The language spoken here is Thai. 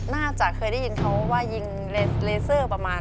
น่าจะเคยได้ยินเขาว่ายิงเลเซอร์ประมาณ